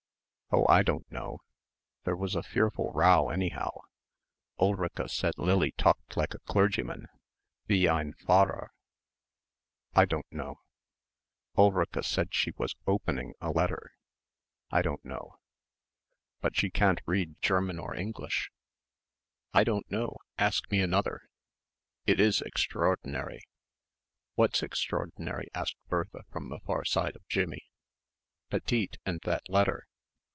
"Oh, I don't know. There was a fearful row anyhow. Ulrica said Lily talked like a clergyman wie ein Pfarrer.... I don't know. Ulrica said she was opening a letter. I don't know." "But she can't read German or English...." "I don't know. Ask me another." "It is extraordinary." "What's extraordinary?" asked Bertha from the far side of Jimmie. "Petite and that letter."